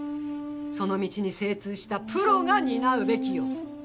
その道に精通したプロが担うべきよ。